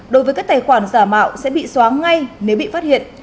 đối với các tài khoản giả mạo sẽ bị xóa ngay nếu bị phát hiện